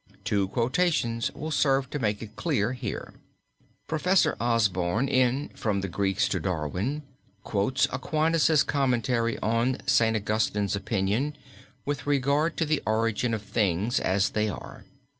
Two quotations will serve to make it clear here. Prof. Osborne, in "From the Greeks to Darwin," quotes Aquinas' commentary on St. Augustine's opinion with regard to the origin of things as they are.